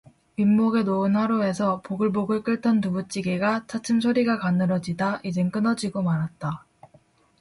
윗목에 놓은 화로에서 보글보글 끓던 두부찌개가 차츰 소리가 가늘어지다 이젠 끊어지고 말았다.